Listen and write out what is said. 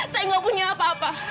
saya nggak punya apa apa